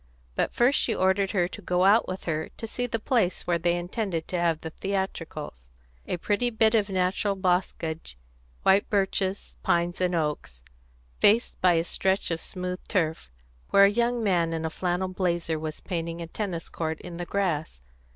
But first she ordered her to go out with her to see the place where they intended to have the theatricals: a pretty bit of natural boscage white birches, pines, and oaks faced by a stretch of smooth turf, where a young man in a flannel blazer was painting a tennis court in the grass.